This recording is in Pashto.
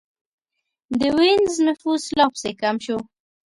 د وینز نفوس لا پسې کم شو